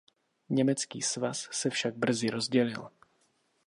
Německý svaz se však brzy rozdělil.